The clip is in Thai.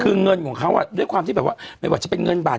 คือเงินของเขาด้วยความที่แบบว่าไม่ว่าจะเป็นเงินบาท